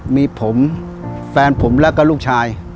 มีผมแฟนผมแล้วก็ลูกชาย